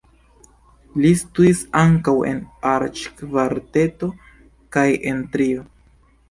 Li ludis ankaŭ en arĉkvarteto kaj en trio.